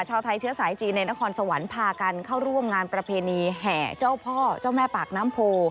ชาวไทยเชื้อสายจีนในนครสวรรค์พากันเข้าร่วมงานประเพณีแห่เจ้าพ่อเจ้าแม่ปากน้ำโพ